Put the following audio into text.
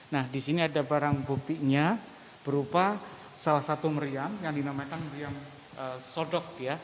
nah di sini ada barang buktinya berupa salah satu meriam yang dinamakan meriam sodok